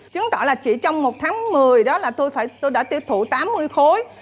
chứng tỏ là chỉ trong một tháng một mươi đó là tôi đã tiêu thụ tám mươi khối